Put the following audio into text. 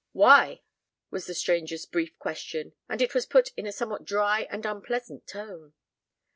"Why?" was the stranger's brief question; and it was put in a somewhat dry and unpleasant tone.